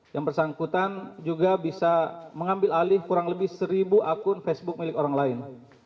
yang bersangkutan juga bisa mengambil alih kurang lebih seribu akun facebook milik orang lain